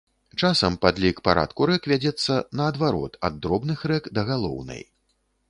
Часам падлік парадку рэк вядзецца, наадварот, ад дробных рэк да галоўнай.